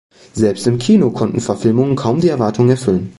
Selbst im Kino konnten Verfilmungen kaum die Erwartungen erfüllen.